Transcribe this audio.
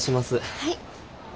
はい。